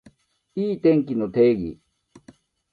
いい天気の定義